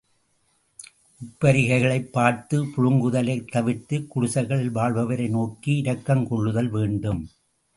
உப்பரிகைகளைப் பார்த்துப் புழுங்குதலைத் தவிர்த்து குடிசைகளில் வாழ்பவரை நோக்கி இரக்கங் கொள்ளுதல் வேண்டும்.